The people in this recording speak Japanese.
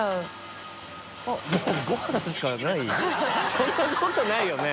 そんなことないよね？